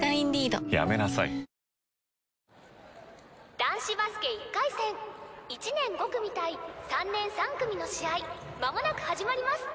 男子バスケ１回戦１年５組対３年３組の試合間もなく始まります。